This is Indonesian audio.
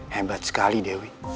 hebat sekali dewi